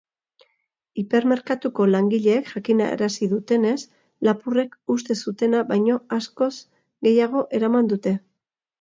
Hipermerkatuko langileek jakinarazi dutenez, lapurrek uste zutena baino askoz gehiago eraman dute.